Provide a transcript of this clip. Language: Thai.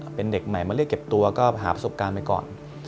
เป็นเด็กใหม่มาเรียกเก็บตัวก็หาประสบการณ์ไปก่อน